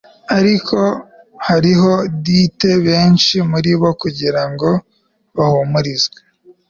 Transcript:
Ariko hariho dite benshi muribo kugirango bahumurizwe